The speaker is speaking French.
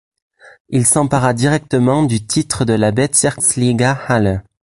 Il s’empara directement du titre de la Bezirksliga Halle.